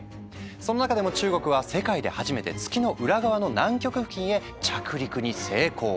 その中でも中国は世界で初めて月の裏側の南極付近へ着陸に成功。